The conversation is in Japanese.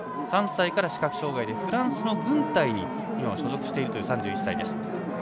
３歳から視覚障がいでフランスの軍隊に所属しているという３１歳です。